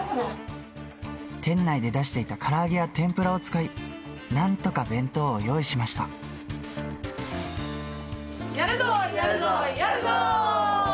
店内で出していたから揚げや天ぷらを使い、なんとか弁当を用やるぞ、やるぞ、やるぞ！